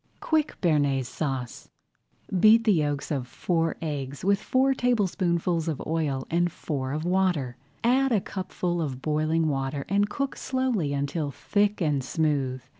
QUICK BEARNAISE SAUCE Beat the yolks of four eggs with four tablespoonfuls of oil and four of water. Add a cupful of boiling water and cook slowly until thick and smooth.